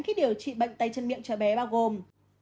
khi điều trị bệnh tay chân miệng cho bé bao gồm